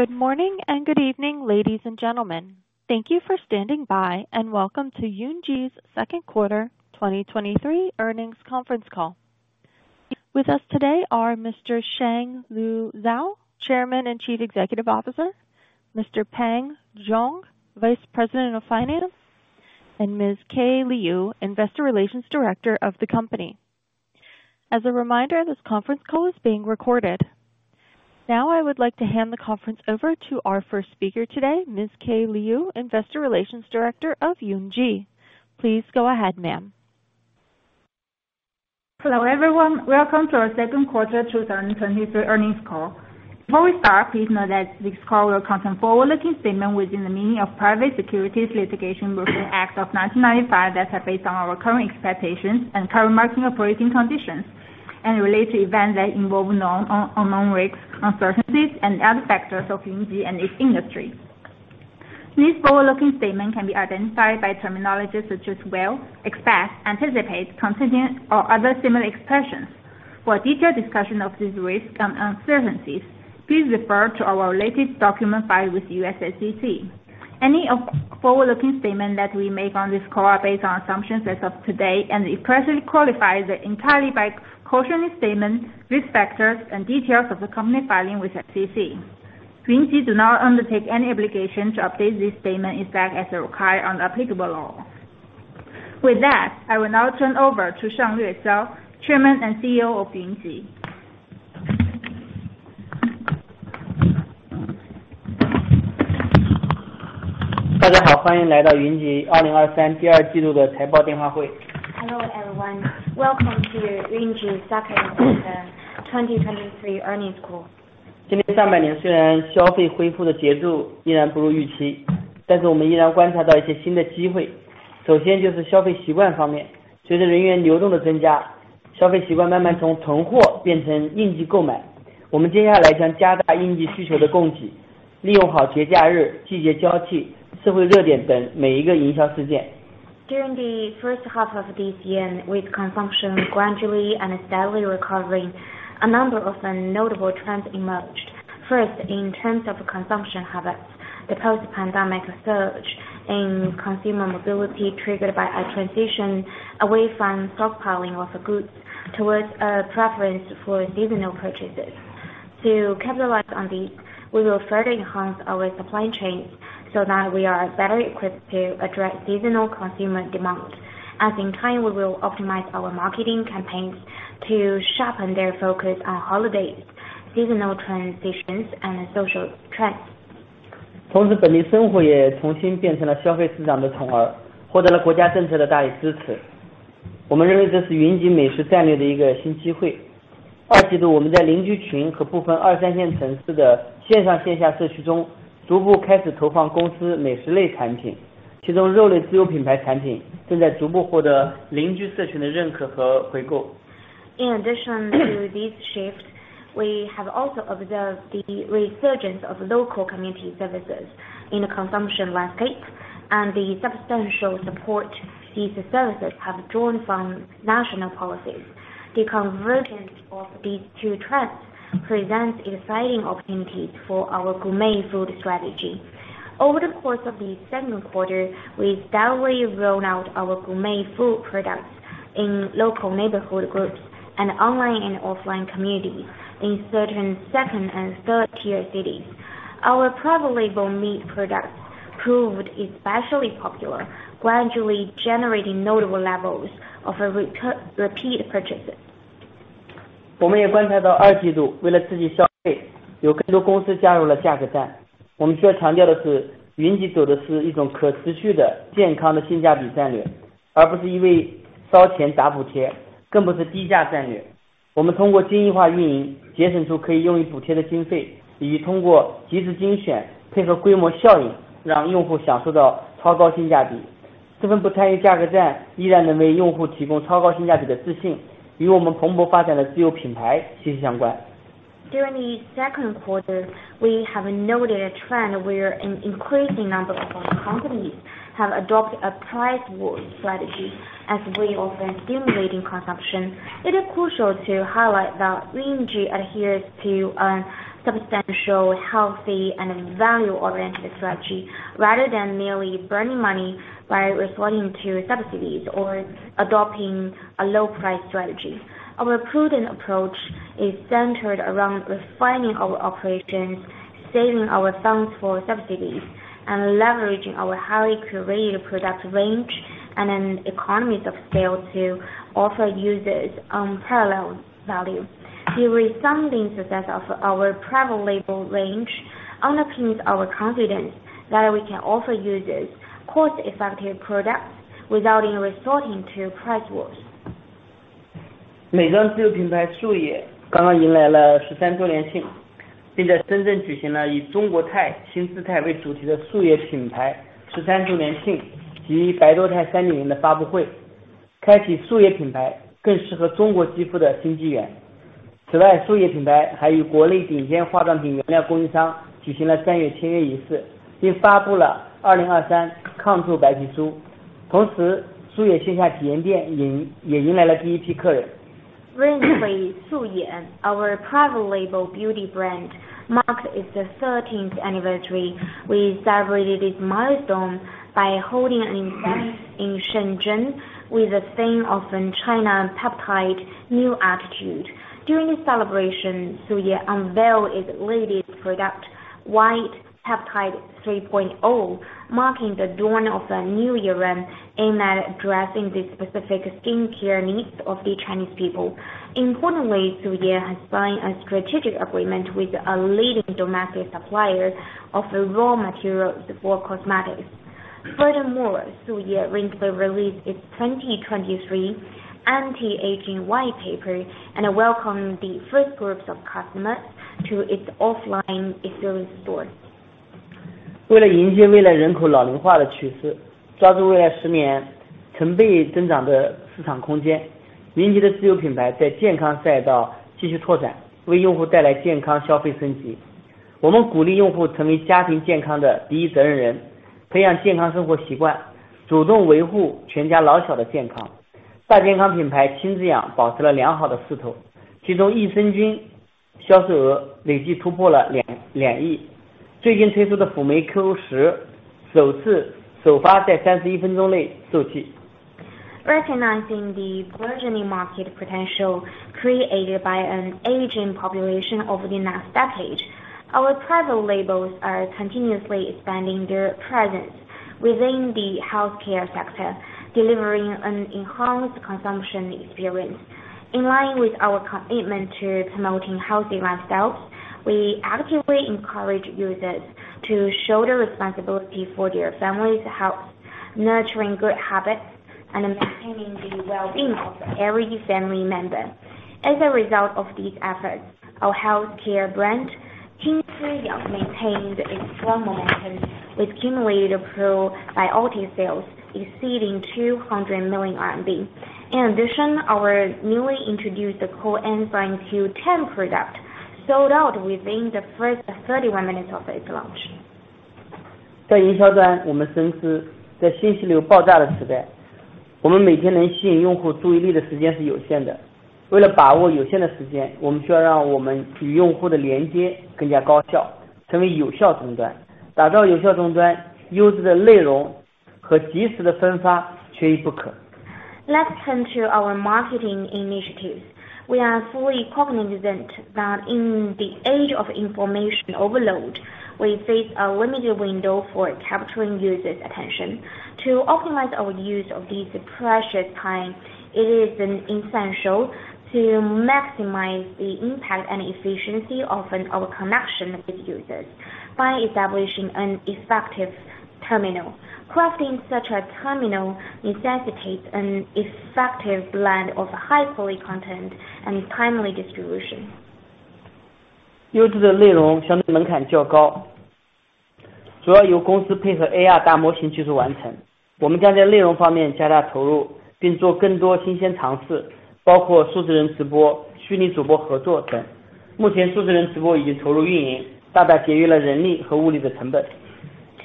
Good morning and good evening, ladies and gentlemen. Thank you for standing by, and Welcome to Yunji's Q2 2023 Earnings Conference Call. With us today are Mr. Shanglue Xiao, Chairman and Chief Executive Officer, Mr. Peng Zhang, Vice President of Finance, and Ms. Kaye Liu, Investor Relations Director of the Company. As a reminder, this conference call is being recorded. Now I would like to hand the conference over to our first speaker today, Ms. Kaye Liu, Investor Relations Director of Yunji. Please go ahead, ma'am. Hello, everyone. Welcome to our Q2 2023 Earnings Call. Before we start, please note that this call will contain forward-looking statements within the meaning of Private Securities Litigation Reform Act of 1995, that are based on our current expectations and current market operating conditions, and relate to events that involve known or unknown risks, uncertainties and other factors affecting Yunji and its industry. These forward-looking statements can be identified by terminology such as will, expect, anticipate, continuing or other similar expressions. For a detailed discussion of these risks and uncertainties, please refer to our related documents filed with the U.S. SEC. Any of forward-looking statement that we make on this call are based on assumptions as of today, and expressly qualify the entirely by cautionary statement, risk factors, and details of the company filing with SEC. Yunji do not undertake any obligation to update this statement, in fact, as required under applicable law. With that, I will now turn over to Shanglue Xiao, Chairman and CEO of Yunji. Hello, everyone. Welcome to Yunji Q2 2023 earnings call. During the first half of this year, with consumption gradually and steadily recovering, a number of notable trends emerged. First, in terms of consumption habits, the post-pandemic surge in consumer mobility triggered by a transition away from stockpiling of goods towards a preference for seasonal purchases. To capitalize on this, we will further enhance our supply chains so that we are better equipped to address seasonal consumer demand. At the same time, we will optimize our marketing campaigns to sharpen their focus on holidays, seasonal transitions, and social trends. In addition to these shifts, we have also observed the resurgence of local community services in the consumption landscape and the substantial support these services have drawn from national policies. The convergence of these two trends presents exciting opportunities for our gourmet food strategy. Over the course of the Q2, we steadily rolled out our gourmet food products in local neighborhood groups and online and offline communities in certain second- and third-tier cities. Our private label meat products proved especially popular, gradually generating notable levels of repeat purchases. During the Q2, we have noted a trend where an increasing number of companies have adopted a price war strategy as a way of stimulating consumption. It is crucial to highlight that Yunji adheres to a substantial, healthy, and value-oriented strategy, rather than merely burning money by resorting to subsidies or adopting a low-price strategy. Our prudent approach is centered around refining our operations, saving our funds for subsidies, and leveraging our highly curated product range and economies of scale to offer users unparalleled value. The resounding success of our private label range underpins our confidence that we can offer users cost-effective products without even resorting to price wars. 的美妆自有品牌素野刚刚迎来了13周年 庆， 并在深圳举行了以中国 态， 新姿态为主题的素野品牌 13周年庆及白多肽 3.0 的 发布会， 开启素野品牌更适合中国肌肤的新纪元。此 外， 素野品牌还与国内领先化妆品原料供应商举行了战略签约 仪式， 并发布了2023抗皱白皮书。同时， 素野线下体验店也迎来了第一批 客人。... Recently, Suye, our private label beauty brand, marked its thirteenth anniversary. We celebrated this milestone by holding an event in Shenzhen with the theme of China Peptide New Attitude. During the celebration, Suye unveiled its latest product, White Peptide 3.0, marking the dawn of a new era aimed at addressing the specific skincare needs of the Chinese people. Importantly, Suye has signed a strategic agreement with a leading domestic supplier of raw materials for cosmetics. Furthermore, Suye recently released its 2023 anti-aging white paper and welcomed the first groups of customers to its offline experience store. 为了迎接未来人口老龄化的趋势，抓住未来十年成倍增长的市场空间，云集的自有品牌在健康赛道继续拓展，为用户带来健康消费升级。我们鼓励用户成为家庭健康的第一责任人，培养健康生活习惯，主动维护全家老小的健康。大健康品牌亲子养保持了良好的势头，其中益生菌销售额累计突破了CNY 2.2亿。最近推出的辅酶Q10首次首发在31分钟内售罄。Recognizing the burgeoning market potential created by an aging population over the next decade, our private labels are continuously expanding their presence within the healthcare sector, delivering an enhanced consumption experience. In line with our commitment to promoting healthy lifestyles, we actively encourage users to show their responsibility for their family's health, nurturing good habits, and maintaining the well-being of every family member. As a result of these efforts, our healthcare brand, Qinziyang, maintained its strong momentum with cumulative probiotic sales exceeding 200 million RMB. In addition, our newly introduced the Coenzyme Q10 product sold out within the first 31 minutes of its launch. 在营销端，我们深知在信息流爆炸的时代，我们每天能吸引用户注意力的时间是有限的。为了把握有限的时间，我们需要让我们与用户的连接更加高效，成为有效终端。打造有效终端，优质的内容和及时的分发缺一不可。Let's turn to our marketing initiatives. We are fully cognizant that in the age of information overload, we face a limited window for capturing users' attention. To optimize our use of this precious time, it is essential to maximize the impact and efficiency of our connection with users by establishing an effective terminal. Crafting such a terminal necessitates an effective blend of high-quality content and timely distribution. 优质的内容相对门槛较高，主要由公司配合AI大模型技术完成。我们将在内容方面加大投入，并做更多新鲜尝试，包括数字人直播、虚拟主播合作等。目前数字人直播已经投入运营，大大节约了人力和物力的成本。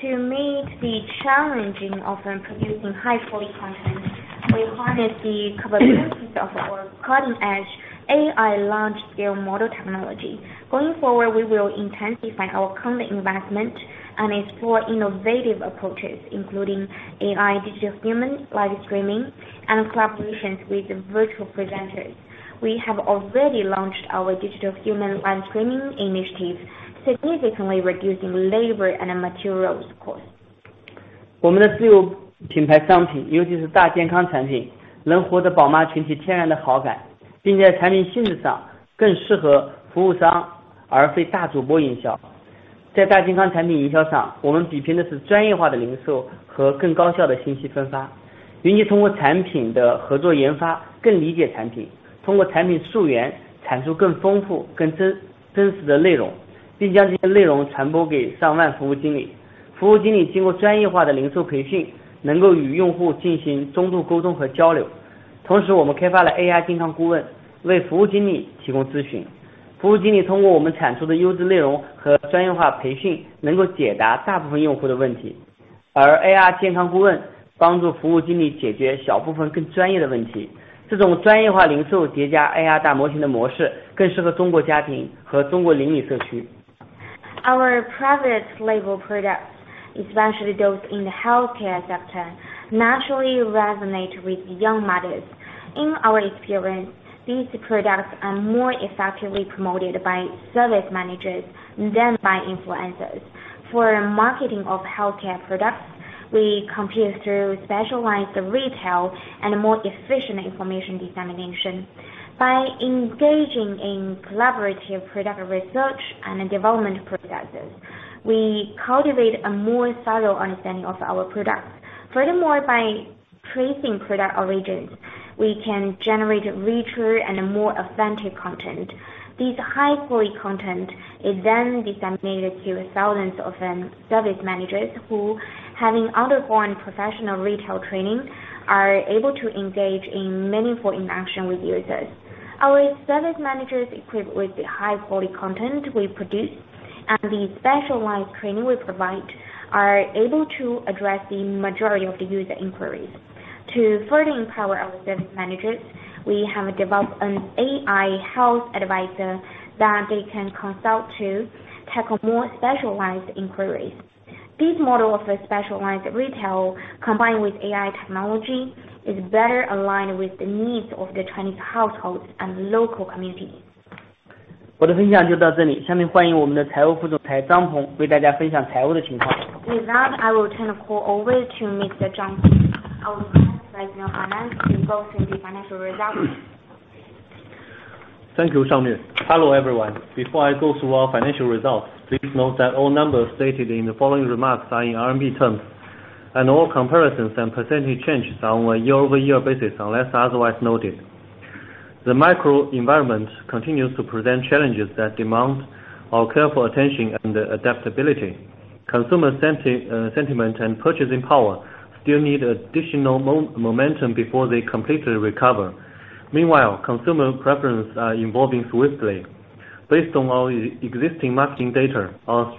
To meet the challenge of producing high-quality content, we harness the capabilities of our cutting-edge AI large-scale model technology. Going forward, we will intensify our content investment and explore innovative approaches, including AI, Digital Human Live Streaming, and collaborations with virtual presenters. We have already launched our Digital Human Live Streaming initiatives, significantly reducing labor and materials costs. Our private label products, especially those in the healthcare sector, naturally resonate with young mothers. In our experience, these products are more effectively promoted by service managers than by influencers. For marketing of healthcare products, we compete through specialized retail and more efficient information dissemination. By engaging in collaborative product research and development processes, we cultivate a more thorough understanding of our products. Furthermore, by tracing product origins, we can generate richer and more authentic content. This high-quality content is then disseminated to thousands of service managers who, having undergone professional retail training, are able to engage in meaningful interaction with users. Service managers equipped with the high-quality content we produce and the specialized training we provide, are able to address the majority of the user inquiries. To further empower our service managers, we have developed an AI Health Advisor that they can consult to tackle more specialized inquiries. This model of a specialized retail, combined with AI technology, is better aligned with the needs of the Chinese households and local communities. With that, I will turn the call over to Mr. Zhang, our Vice President of Finance, to go through the financial results. Thank you, Shanglue. Hello, everyone. Before I go through our financial results, please note that all numbers stated in the following remarks are in RMB terms, and all comparisons and percentage changes are on a year-over-year basis, unless otherwise noted. The microenvironment continues to present challenges that demand our careful attention and adaptability. Consumer sentiment and purchasing power still need additional momentum before they completely recover. Meanwhile, consumer preferences are evolving swiftly. Based on our existing marketing data, our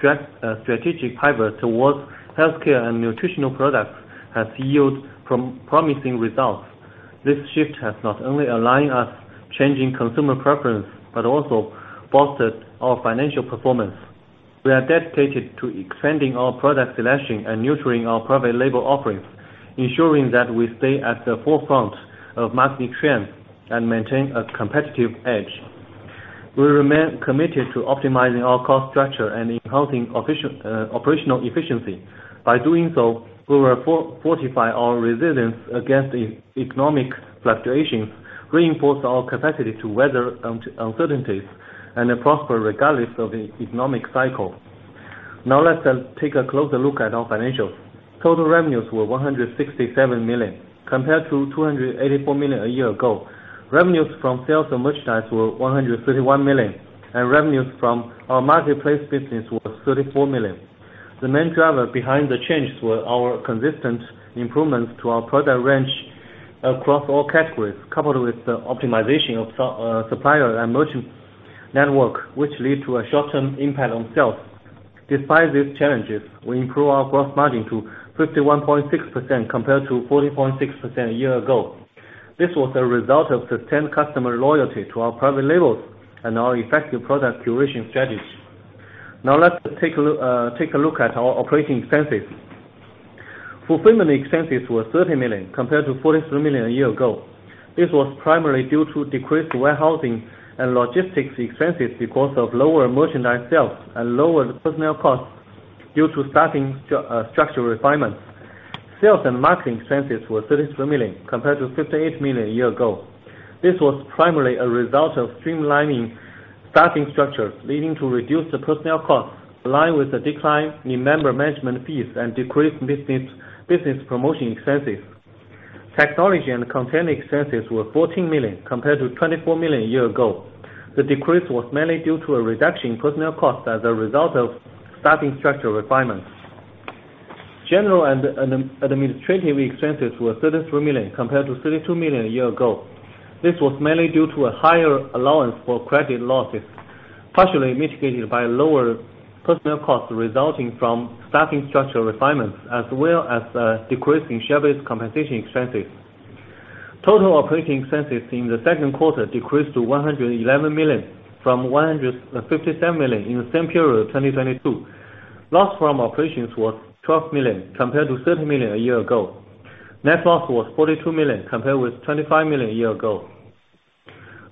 strategic pivot towards healthcare and nutritional products has yielded promising results. This shift has not only aligned us changing consumer preference, but also fostered our financial performance. We are dedicated to expanding our product selection and nurturing our private label offerings, ensuring that we stay at the forefront of market trends and maintain a competitive edge. We remain committed to optimizing our cost structure and enhancing efficiency. By doing so, we will fortify our resilience against economic fluctuations, reinforce our capacity to weather uncertainties, and prosper regardless of the economic cycle. Now, let's take a closer look at our financials. Total revenues were 167 million, compared to 284 million a year ago. Revenues from sales of merchandise were 131 million, and revenues from our marketplace business were 34 million. The main driver behind the changes were our consistent improvements to our product range across all categories, coupled with the optimization of supplier and merchant network, which lead to a short-term impact on sales. Despite these challenges, we improved our gross margin to 51.6%, compared to 40.6% a year ago. This was a result of sustained customer loyalty to our private labels and our effective product curation strategies. Now, let's take a look at our operating expenses. Fulfillment expenses were 30 million, compared to 43 million a year ago. This was primarily due to decreased warehousing and logistics expenses because of lower merchandise sales and lower personnel costs due to staffing structural refinements. Sales and marketing expenses were 33 million, compared to 58 million a year ago. This was primarily a result of streamlining staffing structures, leading to reduced personnel costs, aligned with a decline in member management fees and decreased business promotion expenses. Technology and content expenses were 14 million, compared to 24 million a year ago. The decrease was mainly due to a reduction in personnel costs as a result of staffing structural refinements. General and administrative expenses were 33 million, compared to 32 million a year ago. This was mainly due to a higher allowance for credit losses, partially mitigated by lower personnel costs resulting from staffing structural refinements, as well as decrease in share-based compensation expenses. Total operating expenses in the Q2 decreased to 111 million from 157 million in the same period of 2022. Loss from operations was 12 million, compared to 30 million a year ago. Net loss was 42 million, compared with 25 million a year ago,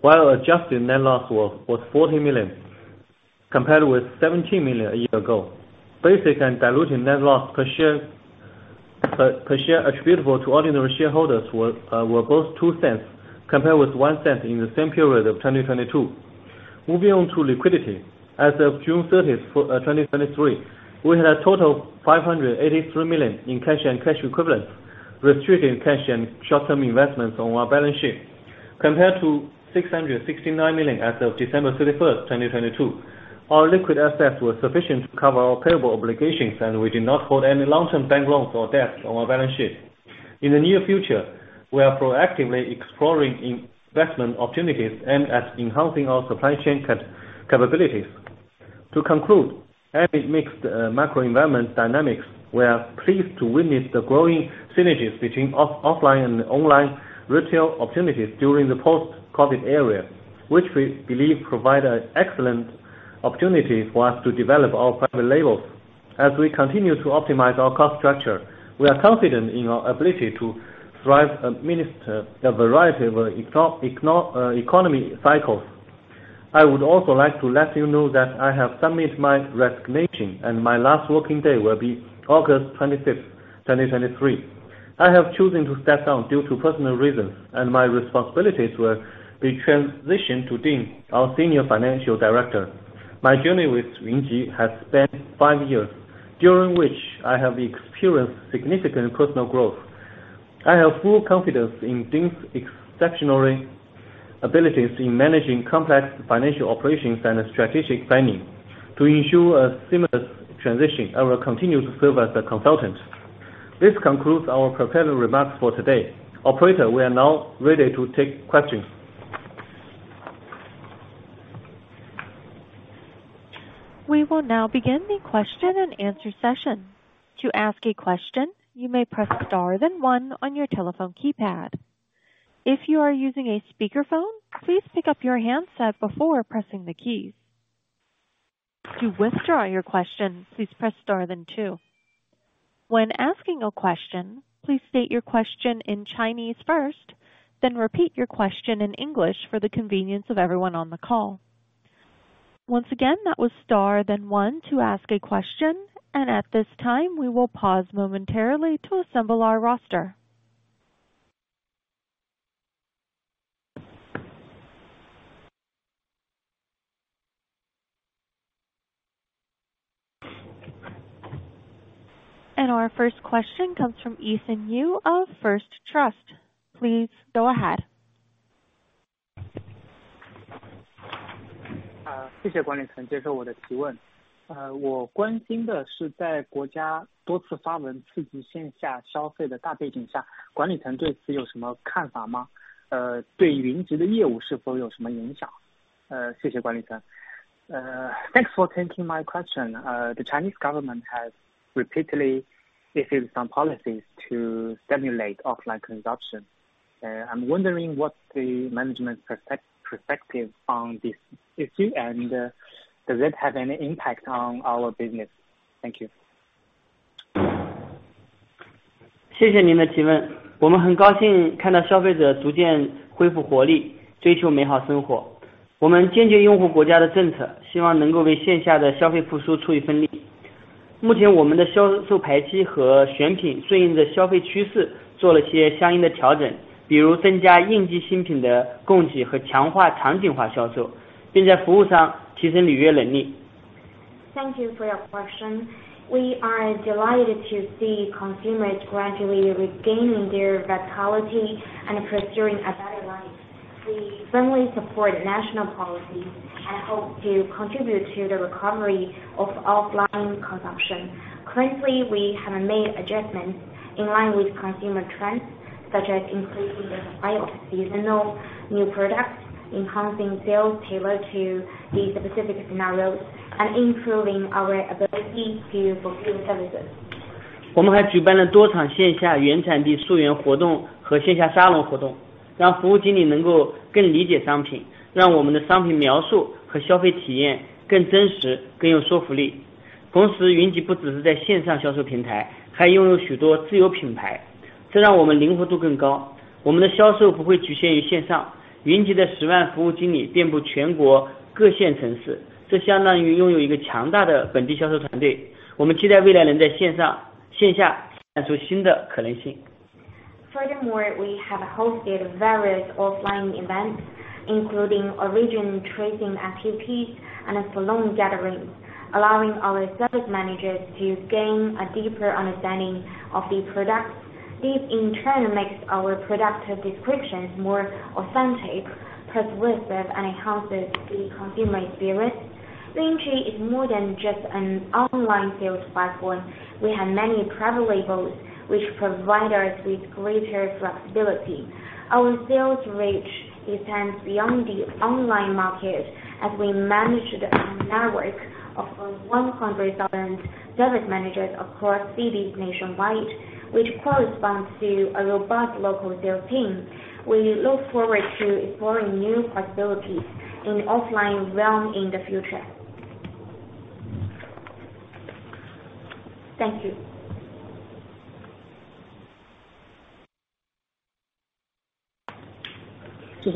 while adjusted net loss was 40 million, compared with 17 million a year ago. Basic and diluted net loss per share attributable to ordinary shareholders were both $0.02, compared with $0.01 in the same period of 2022. Moving on to liquidity. As of June thirtieth, 2023, we had a total of 583 million in cash and cash equivalents, restricted cash and short-term investments on our balance sheet, compared to 669 million as of December thirty-first, 2022. Our liquid assets were sufficient to cover our payable obligations, and we did not hold any long-term bank loans or debts on our balance sheet. In the near future, we are proactively exploring investment opportunities and enhancing our supply chain capabilities. To conclude, amid mixed microenvironment dynamics, we are pleased to witness the growing synergies between offline and online retail opportunities during the post-COVID era, which we believe provide an excellent opportunity for us to develop our private labels. As we continue to optimize our cost structure, we are confident in our ability to thrive amidst a variety of economic cycles. I would also like to let you know that I have submitted my resignation, and my last working day will be August 26, 2023. I have chosen to step down due to personal reasons, and my responsibilities will be transitioned to Ding, our Senior Financial Director. My journey with Yunji has spent five years, during which I have experienced significant personal growth. I have full confidence in Ding's exceptional abilities in managing complex financial operations and strategic planning. To ensure a seamless transition, I will continue to serve as a consultant. ...This concludes our prepared remarks for today. Operator, we are now ready to take questions. We will now begin the question and answer session. To ask a question, you may press star then one on your telephone keypad. If you are using a speakerphone, please pick up your handset before pressing the keys. To withdraw your question, please press star then two. When asking a question, please state your question in Chinese first, then repeat your question in English for the convenience of everyone on the call. Once again, that was star then one to ask a question, and at this time we will pause momentarily to assemble our roster. Our first question comes from Ethan Yu of First Trust. Please go ahead. 谢谢管理层接受我的提问。我关心的是在国家多次发文刺激线下消费的大背景下，管理层对此有什么看法吗？对云集的业务是否有什么影响？谢谢管理层。Thanks for taking my question. The Chinese government has repeatedly issued some policies to stimulate offline consumption. I'm wondering what's the management perspective on this issue, and does it have any impact on our business? Thank you. 谢谢您的提问，我们很高兴看到消费者逐渐恢复活力，追求美好生活。我们坚决拥护国家的政策，希望能够为线下的消费复苏出一份力。目前我们的销售排期和选品顺应着消费趋势，做了些相应的调整，比如增加应季新品的供给和强化场景化销售，并在服务上提升履约能力。Thank you for your question. We are delighted to see consumers gradually regaining their vitality and pursuing a better life. We firmly support national policy and hope to contribute to the recovery of offline consumption. Currently, we have made adjustments in line with consumer trends, such as increasing the supply of seasonal new products, enhancing sales tailored to the specific scenarios, and improving our ability to fulfill services. 我们还举办了多场线下原产地溯源活动和线下沙龙活动，让服务经理能够更理解商品，让我们的商品描述和消费体验更真实，更有说服力。同时，云集不只是在线上销售平台，还拥有许多自有品牌，这让我们灵活度更高。我们的销售不会局限于线上，云集的10万服务经理遍布全国各线城市，这相当于拥有一个强大的本地销售团队。我们期待未来能在线上线下探索新的可能性。Furthermore, we have hosted various offline events, including origin tracing activities and salon gatherings, allowing our Service Managers to gain a deeper understanding of the products. This in turn makes our product descriptions more authentic, persuasive, and enhances the consumer experience. Yunji is more than just an online sales platform. We have many Private Labels which provide us with greater flexibility. Our sales reach extends beyond the online market as we manage the network of 100,000 Service Managers across cities nationwide, which corresponds to a robust local sales team. We look forward to exploring new possibilities in the offline realm in the future. Thank you. 谢谢小鹏. Oh, I have no more questions. Thank you. This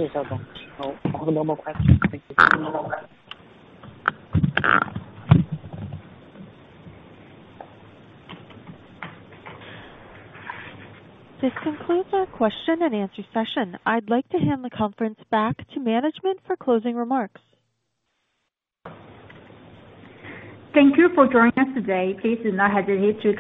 concludes our question and answer session. I'd like to hand the conference back to management for closing remarks. Thank you for joining us today. Please do not hesitate to contact-